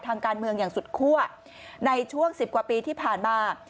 ทางการเมืองอย่างสุดคั่วในช่วง๑๐กว่าปีที่ผ่านมา